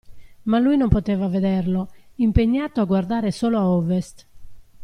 Ma lui non poteva vederlo, impegnato a guardare solo a Ovest.